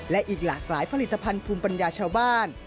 และอีกหลากหลายผลิตภัณฑ์ภูมิปัญญาชาวบ้าน